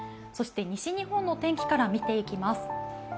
そして、西日本の天気から見ていきます。